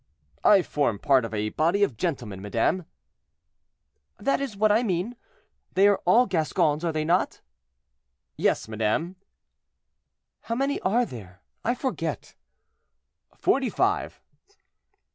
"I form part of a body of gentlemen, madame." "That is what I mean. They are all Gascons, are they not?" "Yes, madame." "How many are there? I forget." "Forty five."